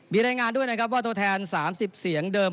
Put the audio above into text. มีรายงานด้วยนะครับว่าตัวแทน๓๐เสียงเดิม